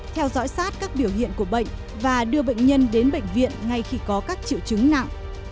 theo dõi sát các biểu hiện của bệnh và đưa bệnh nhân đến bệnh viện ngay khi có các triệu chứng nặng